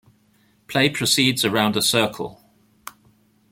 Play proceeds around a circle.